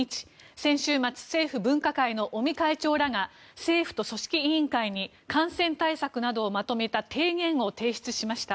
先週末、政府分科会の尾身会長らが政府と組織委員会に感染対策などをまとめた提言を提出しました。